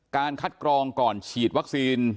การคัดกรองก่อนฉีดวัคซีน